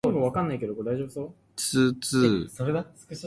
つつ